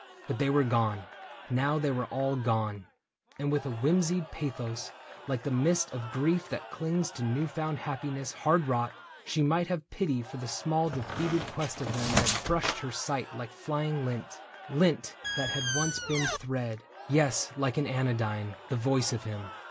But they were gone — now they were all gone ; And with a whimsied pathos, like the mist Of grief that clings to new found happiness Hard wrought, she might have pity for the small Defeated quest of them that brushed her sight Like flying lint — lint that had once been thread. ... Yes, like an anodyne, the voice of him.